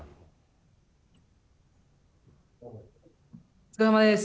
お疲れさまです。